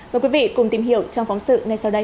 mời quý vị cùng tìm hiểu trong phóng sự ngay sau đây